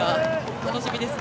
楽しみですね。